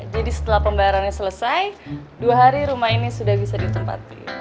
jadi setelah pembayarannya selesai dua hari rumah ini sudah bisa ditempati